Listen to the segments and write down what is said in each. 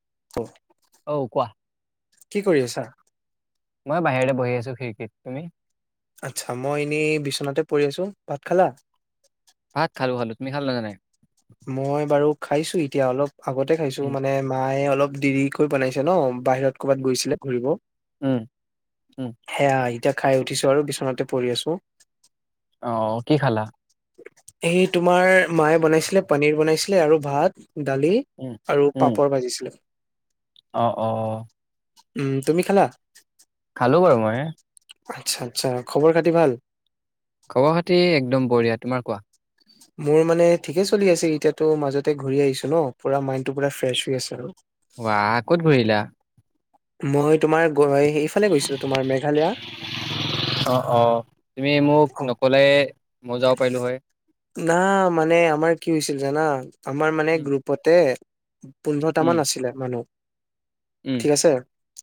[inaudible] অ', কোৱা। কি কৰি আছা? মই বাহিৰতে বহি আছো খিৰিকীত, তুমি? আচ্ছা, মই এনেই বিচনাতে পৰি আছোঁ, ভাত খালা? ভাত [inaudible] মই বাৰু খাইছো এতিয়া অলপ আগতে খাইছো, উম মানে মায়ে অল অলপ দেৰিকৈ বনাইছে ন, বাহিৰত ক'ৰবাত গৈছিলে ঘূৰিব উম, উম সেয়া এতিয়া খাই উঠিছো আৰু, বিচনাতে পৰি আছোঁ অ', কি খালা? সেই তোমাৰ মায়ে বনাইছিলে, পনীৰ বনাইছিলে আৰু ভাত দালি উম আৰু উম পাপৰ ভাজিছিলে। অ, অ' উম, তুমি খালা? খালো বাৰু মইে আচ্ছা আচ্ছা খবৰ খতি ভাল খবৰ খাতি একদম বঢ়িয়া, তোমাৰ কোৱা? মোৰ মানে ঠিকে চলি আছে এতিয়াাতো মাজতে ঘূৰি আহিছো ন পুৰা মাইণ্ডটো পুৰা ফ্ৰেছ হৈ আছে আৰু কত ঘৰিলা মই তোমাৰ এইফালে গৈছিলো তোমাৰ মেঘালয়া অ অ অ' মজাও পাইলো হয় না মানে আমাৰ কি হৈছিল জানা আমাৰ মানে উম গ্ৰুপতে পোন্ধৰটা মান উম আছিলে মানুহ উম ঠিক আছে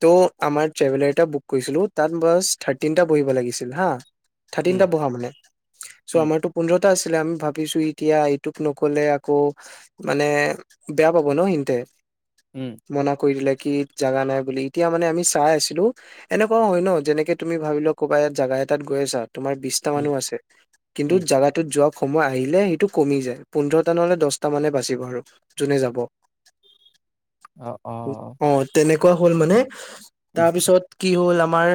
ত' আমাৰ ট্ৰেভেলাৰ এটা বুক কৰিছিলো তাত বাছ থাৰ্টিনটা বহিব লাগিছিল হা উম থাৰ্টিনটা বহা মানে চ' উম আৰটো পোন্ধ আছিলে আমি ভাবিছো এতিয়া এইটোক নকলে আকৌ মানে বেয়া পাব ন সিতে উম মনা কৰি লাগ কি জাগা নাই বুলি এতিয়া মানে আমি চাই আছিলো, এনেকুৱও হয় ন'যেনেকে তুমি ভাবিলোৱা ক'বাত জাগা এটাত গৈ আছা। তোমাৰ বিচটা উম মানুহ আছে। কিন্তু উম জোগাটোত যোৱা। সময় আহিলে সেইটো কমি যায়, পোন্ধৰটা নহ'লে দহটা মানে বাচিব আৰু যোনে যাব। অ' অ' কোৱা হ'ল মানে। উম তাৰপিছত। কি হ'ল আমাৰ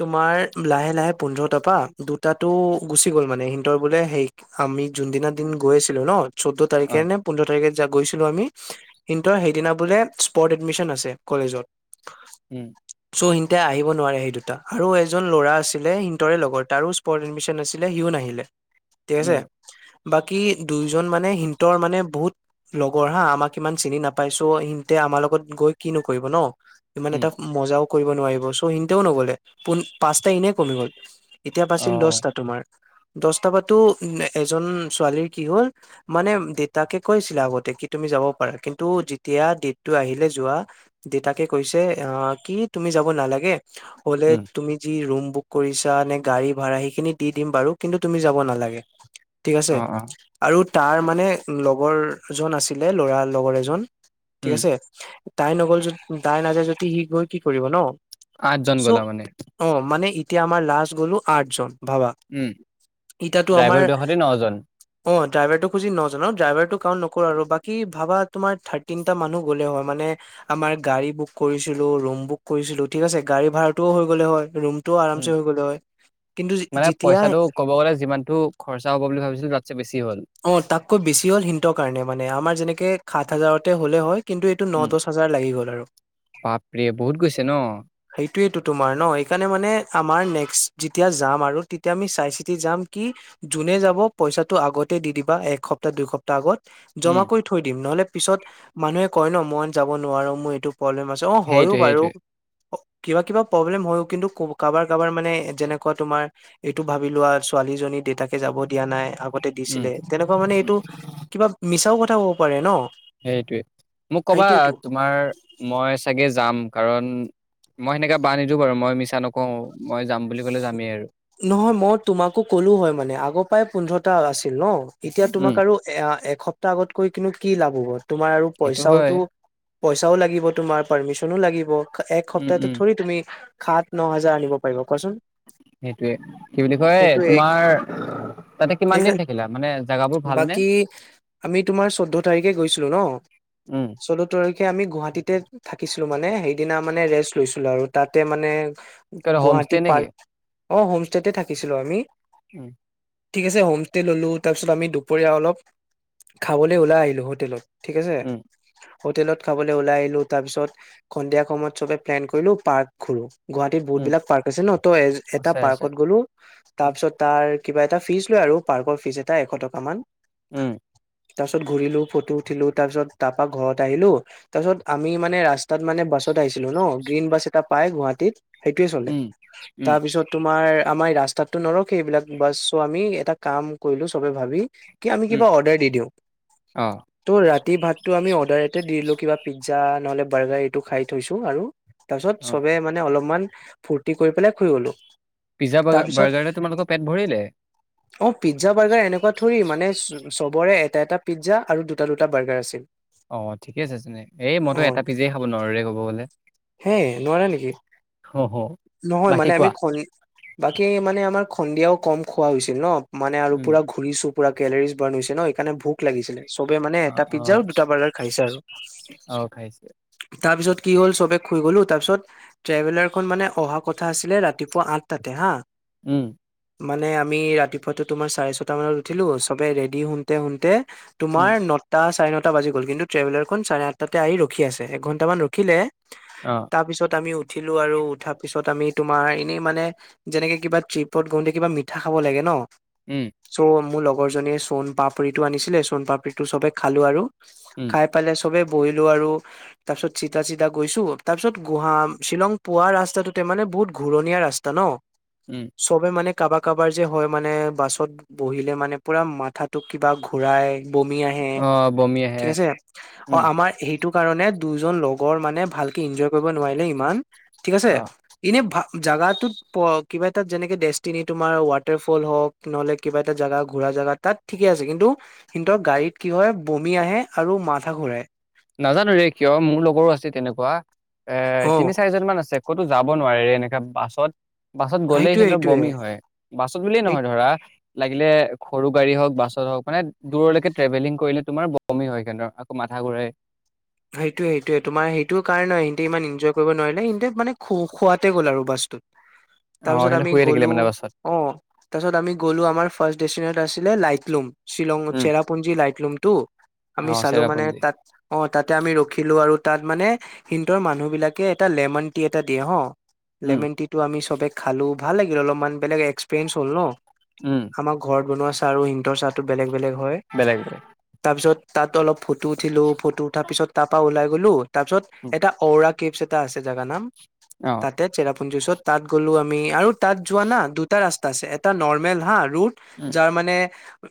তোমাৰ লাহে- লাহে পোন্ধৰ টাপা দুটা টো। গুচি গ'ল মানে, সিহতৰ বোলে সেই আমি যোনদিনা দিন গৈ আছিলো ন' চৈধ্য অ তাৰিখে নে পোন্ধৰ তাৰিখে। গৈছিলো আমি, কিন্তু সেইদিনা বোলে স্পৰ্ট এডমিশন আছে কলেজত। উম [inaudible] এতিয়া আহিব নোৱাৰে সেই দুটা আৰু এজন ল'ৰা আছিলে সিহতৰে লগৰ, তাৰো স্পন ইংলিছ নাছিলে, সিও নাহিলে ঠিক আছে। উম বাকী দুয়োজন মানে সিহতৰ মানে বহুত লগৰ হা, আমাক ইমান চিনি নাপাই চও সিহঁতে আমাৰ লগত গৈ কিনো কৰিব নহ সি‌ মানে উম তাক মজাওক কৰিব নোৱাৰিব ছও সিহঁতেও নগলে, পোন পাঁচটা ইনে কমি গল। এতিয়া অ বাজিল দছটা দছটা বাতো এজন ছোৱালীৰ কি হ'ল মানে দেউতাকে কৈছিলে, আগতে কি তুমি যাব পাৰা, কিন্তু যেতিয়া ডেটটো আহিলে যোৱা দেউতাকে কৈছে আহ কি তুমি যাব নালাগে হলে উম তুমি যি ৰুম বুক কৰিছা নে, গাড়ী ভাড়া সেইখিনি দি দিম বাৰু কিন্তু তুমি যাব নালাগে। ঠিক আছে অ অ আৰু তাৰ মানে লগৰজন আছিলে লৰাৰ লগৰ এজন ঠিক উম আছে তাই নগল যদি, তাই নাযায় যদি সি গৈ কি কৰিব নহ আঠজন গলা মানে এতিয়া আমাৰ লাষ্ট গলো আঠজন ভাব উম, ড্ৰাইভাৰটো সতে নজন। অ ড্ৰাইভাৰটো খুজি নজন ড্ৰাইভাৰটো কাউন্ট নকৰো আৰু বাকী ভাবা তোমাৰ থাৰ্টিনটা মানুহ গ'লে হয় মানে আমাৰ গাড়ী বুক কৰিছিলো ৰুম বুক কৰিছিলো ঠিক আছে গাড়ী ভাৰাটোও হৈ গ'লে হয় ৰুম টোও উম আৰামছে হৈ গ'লে হয় কিন্তু মানে যেতিয়া পইচাটো ক'ব গ'লে যিমানটো খৰচা হ'ব বুলি ভাবিছিলো তাতছে বেছি হ'ল। অ তাতকৈ বেছি হ'ল হিন্টৰ কাৰণে মানে আমাৰ যেনেকে সাত হাজাৰতে হ'লে হয়। কিন্তু এইটো ন উম, দচ হাজাৰ লাগি গল আৰু বাপৰে বহুত গৈছে ন? সেইটোৱেইটো তোমাৰ ন সেইকাৰণে মানে আমাৰ নেক্স যেতিয়া যাম আৰু তেতিয়া আমি চাই চিতি যাম কি যোনে যাব পইচাটো আগতে দি দিবা একসপ্তাহ দুইসপ্তাহ আগত। জমা উম, কৰি থৈ দিম নহলে। পিছত মানুহে কয় ন মই যাব নোৱাৰো মোৰ এইটো প্ৰব্লেম আছে অ' হয়ো সেইটোৱে বাৰু। সেইটোৱে কিবা-কিবা প্ৰব্লেম হয়ও কিন্তু ক'ব কাবাৰ-কাবাৰ মানে যেনেকুৱা তোমাৰ। এইটো ভাবি লোৱা ছোৱীজনী দেতাকে যাব। দিয়া নাই আগতে উম, দিছিলে তেনেকুৱা মানে এইটো কিবা মিছাও কথা। হব পাৰে ন। সেইটোৱে মোক কবা সেইটোয়েতো তোমাৰ মই চাগে যাম। কাৰণ মই সেনেকৈ বা নিদিও বাৰু মই মিছা নকওঁ মই যাম বুলি ক'লে যামেই আৰু নহয় মই তোমাকো কলো হয় মানে আগৰ পাই পোন্ধৰটা আছিল ন। এতিয়া তোমাক উম, আৰু এ এক এসপ্তাহ আগতকৈ কিন্তু কি লাভ হ'ব। তোমাৰ আৰু সেইটো হয়। পইচাওতো পইচাও লাগিব তোমাৰ পাৰ্মিশনো লাগিব। এক উম, সপ্তাহটো উম, থৰি তুমি সাত ন' হাজাৰ আনিব পাৰিব কোৱাচোন। কি বুলি কয় সেইটোয়ে তোমাৰ তাতে কিমান সেইকা দিন থাকিলা মানে জেগাবোৰ ভালনে বাকী আমি তোমাৰ চৈধ্য তাৰিখে উম। কে আমি গুৱাহাটীতে থাকিছিলো মানে সেইদিনা মানে ৰেষ্ট লৈছিলো আৰু তাতে মানে হোম ষ্টে গুৱাহাটী নেকি? পাৰ্ক অ' হোম ষ্টেতে থাকিছিলো আমি। উম, ঠিক আছে হোম ষ্টে ললো তাৰপিছত আমি দুপৰীয়া অলপ খাবলৈ ওলাই আহিলো হোটেলত। ঠিক আছে। উম, হোটেলত খাবলৈ ওলাই আহিলো তাৰ পিছত সন্ধিয়া সময়ত সবে প্লেন কৰিলো পাৰ্ক ঘুৰো। গুৱাহাটীত বহুত উম, বিলাক পাৰ্ক আছে ন ত এ এটা আছে আছে পাৰ্কত গ'লো উম, তাৰপিছত তাত এ কিবা‌ এটা‌ ফিছ লৈ আৰু পাৰ্ক ফিছ এটা এশ টকা মান। উম তাৰ পিছত ঘূৰিলো ফটো উঠিলো তাৰপিছত তাৰপা ঘৰত আহিলো তাৰ পিছত আমি মানে ৰাস্ত তাত মানে বাছত আহিছিলো ন গ্ৰীণ বাছ এটা। পায় গুৱাহাটীত। সেইটোৱে চলে। উম, উম, তাৰ পিছত তোমাৰ আমাৰ ৰাস্তাতটো নৰখে সেইবিলাক বাছ চো আমি এটা কাম কৰিলো চবে ভাবি কি আমি উম, কিবা অৰ্ডাৰ দি দিওঁ, অ'। ত' ৰাতি ভাতটো আমি অৰ্ডাৰ এতে দি দিলো কিবা পিজ্জা নহলে বাৰ্গাৰ এইটো খাই থৈছো আৰু তাৰপিছত অ চবে মানে অলপমান ফূৰ্তি কৰি পেলাই শুই গ'লো। পিজ্জা বাৰ্গাৰ তাৰপিছত বাৰ্গাৰে তোমালোকৰ পেট ভৰিলে অ', পিজ্জা বাৰ্গাৰ এনেকুৱা থৰি মানে চবৰে এটা এটা পিজ্জা আৰু দুটা দুটা বাৰ্গাৰ আছিল। অ', ঠিকে আছে তেনে এই মইতো অ এটা পিজ্জাই খাব নোৱাৰোৰে কব গলে। হে নোৱাৰা নেকি হ হ [unintelligible] বাকী কোৱা? বাকী মানে আমাক সন্ধিয়াও কম খোৱা হৈছিল ন। মানে আৰু উম পুৰা ঘূৰিছো। পোৰা কেলেৰিজ বাৰ্ণ হৈছে ন সেইকাৰে ভোক লাগিছিলে। চবে মানে অ এটা অ পিজ্জা দুটা বাৰ্গাৰ খাইছে আৰু। অ খাইছে তাৰপিছত কি হ'ল চবে খুই গ'লো তাৰ পিছত ট্ৰেভেলাৰ খন মানে অহা কথা আছে ছিলে ৰাতিপুৱা আঠটাতে হা। উম। মানে আমি ৰাতিপুৱাটো তোমাৰ চাৰে ছটা মানত উঠিলো, ছবে ৰেডি হুণ্টে হুণ্টে তোমাৰ উম নটা চাৰে নটা টা বাজি গ'ল কিন্তু ট্ৰভেলাৰখন চাৰে আঠটাতে আহি ৰখি আছে, এঘণ্টামান ৰখিলে অ তাৰ পিছত আমি উঠ উঠিলোঁ আৰু উঠাৰ পিছত আমি তোমাৰ এনেই মানে যেনেকে কিবা ট্ৰিপত গওঁতে কিবা মিঠা খাব লাগে ন। উম চ মু লগ লগৰজনীয়ে চণ পাপুৰিটো আনিছিলে চণ পাপৰি টো চবে খালো আৰু। উম খাই পালে চবে বহিলো আৰু তাৰ পিছত চিতা চিদা গৈছো তাৰ পিছ গহা শ্বিলং পোৱা ৰাস্তাটোতে মানে বহুত ঘূৰণীয়া ৰাস্তা ন। উম চবে মানে কাৰবাৰ কাৰবাৰ যে হয় মানে বাছত বহিলে মানে পুৰা মাথাতোক কিবা ঘূৰাই। বমি আহে অ বমি আহে ঠিক আছে অ' উম আমাৰ সেইটো কাৰণে দুজন লগৰ মানে ভালকে এনজয় কৰিব নোৱাৰিলে ইমান ঠিক আছে অ ইনে ভ জাগাটোত প কিবা এটাত যেনেকে ডেষ্টিনি তোমাৰ ৱাটাৰফল হওক নহলে কিবা এটা জাগা ঘুৰা জেগা তাত ঠিকে আছে কিন্তু, কিন্তু গাড়ীত কি হয় বমি আহে আৰু মাথা ঘুৰাই। নাজানো ৰে কিয় মোৰ লগৰো আছে তেনেকুৱা এ অ তিনি চাৰিজন মান আছে। কতো যাব নোৱাৰি এনেকা বাছত। বাছত গ'লেই সেইটোয়ে সেতৰ সেইটোয়ে বমি হয় বাছত বুলিয়ে সেই নহয় ধৰা। লাগিলে সৰু গাড়ী হওক বাছত হওক মানে দূৰলৈকে ট্ৰেভেলিং কৰিলে তোমাৰ বমি হয় কিনে আকৌ মাথা ঘূৰাই। সেইটোয়ে সেইটোয়ে তোমাৰ সেইটো কাৰণ হয় সিহতে ইমান ইনজয় কৰিব নোৱাৰি। মানে ইনটাইম মানে খু খুৱাতে গ'ল আৰু বাছটোত। অ তাৰপিছত সিহঁতে আমি শুয়ে থাকিলে গ'লো মানে বাছত অহ তাৰপিছত আমি গ'লো আমাৰ ফাৰ্ষ্টডিচেনত। আছিলে লাইকলুম। চিলংত উম চেৰাপুঞ্জী লাইটলুম। তো। অ আমি চালো মানে চেৰাপুঞ্জী তাত অহ। আমি ৰখিলো আৰু তাত মানে সিন্তৰ মানুহ বিলাকে এটা লেমন টি এটা দিয়ে হ। উম লেমেন টি টো আমি চবে। খালো ভাল লাগিল অলপমান বেলেগ এক্সপিৰিয়েঞ্চ হ'ল ন। উম আমাৰ ঘৰত। বনোৱা চাহ আৰু সিন্তৰ চাহতো বেলেগ। বেলেগ হয়, বেলেগ বেলেগ তাৰপিছত। তাত অলপ ফটো উঠিলো ফটো। তাৰ পিছত তাৰ পৰা ওলাই গ'লো। তাৰপিছত উম এটা ওৰা কিপচ্। কটা আছে জানা না। অ তাকে চেৰা। পিছত তাত গ'লো আমি আৰু তাত যোৱা না দুটা ৰাস্তা আছে এটা নৰ্মেল হাড। ৰোট উম যাৰ মানে।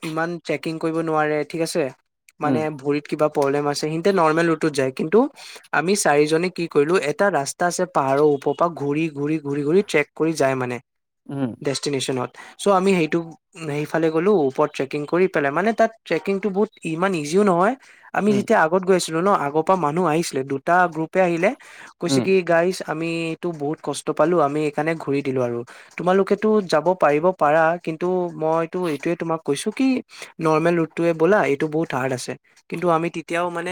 ইমান চেকিং কৰিব নোৱাৰে ঠিক আছে। উম মানে ভৰিত কিবা। প্ৰব্লেম আছে। এতে নৰ্মেল ৰুতটোত যায় কিন্তু আমি চাৰিজনে কি কৰিলো এটা ৰাস্তা আছে পাহাৰৰ ওপৰ পৰা ঘূৰি ঘূৰি ঘূৰি ঘূৰি ট্ৰেক কৰি যায় মানে। উম ডেষ্টিনিচনত। চ' আমি সেইটো সেইফালে গ'লো ওপৰত ট্ৰেকিং কৰি পেলাই মানে তাত ট্ৰেকিংটো বহুত ইমান ইজিও নহয়। আমি উম যেতিয়া আব। ছিলো ন আগৰ পৰা মানুহ আহিছিলে দুটা গ্ৰুপে আহিলে। কৈছে উম কি গাড়ী। আমিটো বহুত কষ্ট পালো আমি এইকাৰণে ঘুৰি দিলো আৰু তোমালোকেতো যাব পাৰিব পাৰা কিন্তু মইতো এইটোয়ে তোমাক কৈছো কি নৰ্মেল ৰুটোৱে ব'লা এইটো বহুত হাৰ্ড আছে কিন্তু আমি এতিয়াও মানে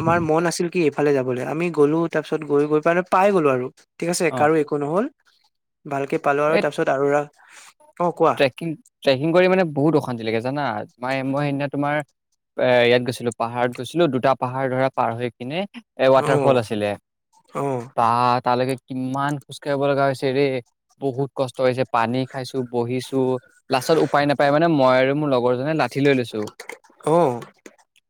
আমাৰ মন আছিল কি এইফালে যাবলৈ আমি গ'লো তাৰপিছত গৈ গৈ পাই পাই গ'লো আৰু ঠিক আছে অ কাৰো একো নহল। ভালকে পালোঁ এই আৰু তাৰপিছত আৰু ট্ৰেকিং ট্ৰেকিং কৰি মানে বহুত অশান্তি লাগে জানা মায় মই সেইদিনা তোমাৰ এ ইয়াত গৈছিলো পাহাৰত গৈছিলো দুটা পাহাৰ ধৰা পাৰ হৈ কিনে, এ অ ৱাটাৰ ফল আছিলে অ বা তালৈকে কিমান খোজ কাঢ়িব লগা হৈছে ৰে বহুত কষ্ট হৈছে পানী খাইছো। বহিছো। লাষ্টত উপায় নাপায় মানে মই আৰু মোৰ লগৰজনে লাঠি লৈ লৈছো অ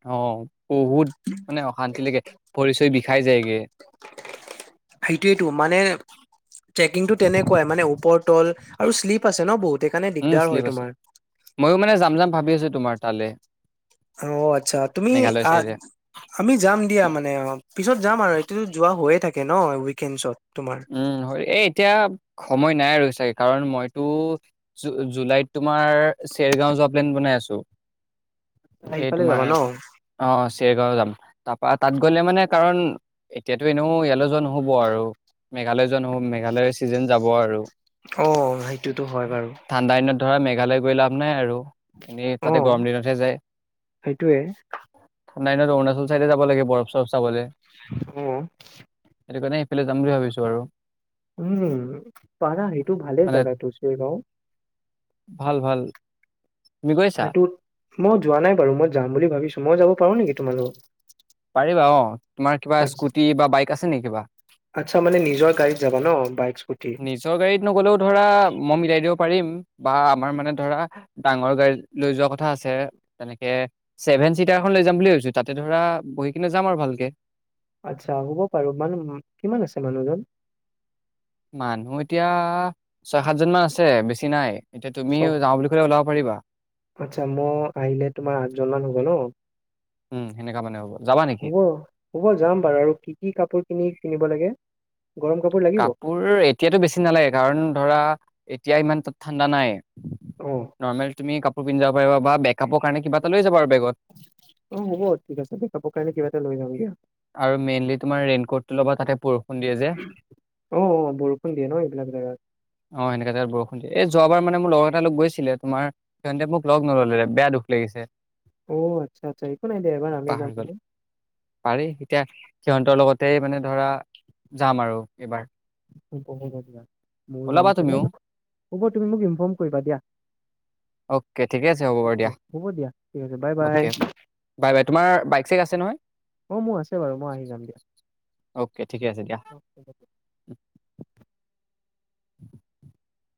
অহ, বহুত মানে অশান্তি লাগে পৰিচয় দি খাই যায়গে। সেইটোৱে মানে টেকিংটো তেনেকুৱাই মানে ওপৰত আৰু শ্লিপ আছে ন বহুত। সেইকাৰণে উম দিগদাৰ হয় শ্লিপ আছে, তোমাৰ ময়ো মানে যাম- যাম ভাবি আছো তোমাৰ তালে। অ আচ্ছা, তুমি মেঘালয় চাইডে। আমি যাম দিয়া মানে অ পিছত যাম আৰু এতিটোতো যোৱা হৈয়ে থাকে কেনো উইকেণ্ডছত তোমাৰ উম হয় এ এতিয়া সময় নাই আৰু কাৰণ মইতো জুলাইত তোমাৰ চেৰগাও যোৱা প্লেন বনাই আছো ইফালে যাবা ন? ডেৰগাঁও যাম তাৰপা তাত গ'লে মানে কাৰণ এতিয়াতো এনেও ইয়ালৈ যোৱা নহ'ব আৰু। মেঘালয় যোৱা নহব, মেঘালয়ৰ ছিজন যাব আৰু অ' সেইটোতো হয় বাৰু। মেঘালৈ গৈ লাভ নাই আৰু এনেই অ তাতে গৰম দিনতহে যায়। সেইটোয়ে কোনোবা এদিনত অৰুাচল চাইডে যাব লাগে বৰফ- চৰফ চাবলৈ। অ'। সেইটো কাৰণে এইফালে যাম বুলি ভাবিছোঁ আৰু। উম, পাৰা সেইটো ভালে মানে জাগাটো শ্বেৰগাঁও। ভাল - ভাল। তুমি গৈছা? সেইটোত মই যোৱা নাই বাৰু, মই যাম বুলি ভাবিছো। মই যাব পাৰো নেকি? তোমালোক পাৰিবা অ, তোমাৰ কিবা স্কুটি বা বাইক আছে নেকি কিবা? আচ্ছা মানে নিজৰ গাড়ীত যাবা ন বাইক স্কুটি নিজৰ গাড়ীত নগলেও ধৰা মই মিলাই দিব পাৰিম। বা আমাৰ মানে ধৰা ডাঙৰ গাড়ী লৈ যোৱা কথা আছে, তেনেকে ছেভেন চিটাৰখন লৈ যাম বুলি ভাবিছো, তাতে ধৰা বহি কিনে যাম আৰু ভালকে। আচ্ছা হ'ব পাৰে, মানু, কিমান আছে মানুহজন? মানুহ এতিয়া ছয- সাতজন মান আছে, বেছি নাই। এতিয়া তুমি [unintelligible] যাওঁ বুলি ক'লে ওলাব পাৰিবা আচ্ছা মই আহিলে তোমাৰ আঁঠজন মান হ [inaudible] উম সেনেকা মানে হ'ব যাবা নেকি হ'ব, হ'ব যাম বাৰু, আৰু কি কি কাপোৰ কিনি কিনিব লাগে গৰম লাগিব কাপোৰ এতিয়াতো বেছি নালাগে, কাৰণ ধৰা এতিয়া ইমান তাত ঠাণ্ডা নাই। অঁ নৰ্মেল তুমি কাপোৰ পিন্ধা বা বেকআপৰ কাৰণে কিবা তে লৈ যাবা আৰু বেগত। অঁ হ'ব ঠিক আছে দেই কাপোৰ কাৰণে কিবা এটা লৈ যাম দিয়া আৰু মেইনলি তোমাৰ ৰেইন কোটটো ল'বা তাতে বৰষুণ দিয়ে যে। অঁ অঁ বৰষুণ দিয়ে ন এইবিলাক জেগাত অ, এনেকা জেগাত বৰষুণ দিয়ে। এই যোৱা তবাৰ মানে মোৰ লগ এটা লগ গৈছিলে, তোমাৰ সিহঁতে মোক লগ নল'লে, বেয়া দুখ লাগিছে। অ', আচ্ছা, আচ্ছা, একো নাই দিয়া, এইবাৰ আমি যাম পাহৰি গ'ল ন'। পাৰি এতিয়া সিহঁতৰ লগতেই মানে ধৰা যাম আৰু। এইবাৰ। [unintelligible] ময়ো যাম, ওলাবা তেনে তুমিও হ'ব তুমি মোক ইনফৰ্ম কৰিবা দিয়া। অ'কে ঠিকে আছে হ'ব বাৰু অ'কে দিয়া হ'ব দিয়া ঠিক আছে বাই বাই অ'কে বাই, বাই তোমাৰ বাইক চেক আছে নহয়? অঁ মোৰ আছে বাৰু মই আহি যাম দিয়া অ'কে। ঠিকে আছে দিয়া। [inaudible]